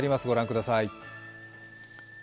ご覧ください。